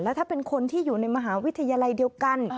ถ้าเป็นคนที่อยู่ในมหาวิทยาลัยเดียวกัน